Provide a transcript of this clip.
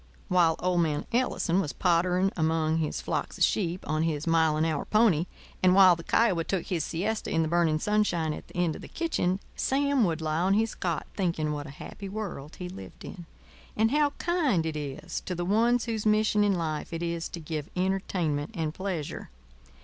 While old man Ellison was pottering among his flocks of sheep on his mile an hour pony, and while the Kiowa took his siesta in the burning sunshine at the end of the kitchen, Sam would lie on his cot thinking what a happy world he lived in, and how kind it is to the ones whose mission in life it is to give entertainment and pleasure.